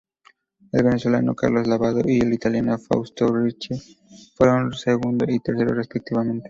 El venezolano Carlos Lavado y el italiano Fausto Ricci fueron segundo y tercero respectivamente.